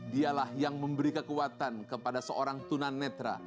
dialah yang memberi kekuatan kepada seorang tunan netra